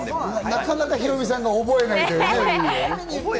なかなかヒロミさんが覚えない。